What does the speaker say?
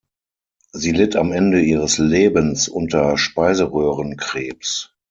Sie litt am Ende ihres Lebens unter Speiseröhrenkrebs.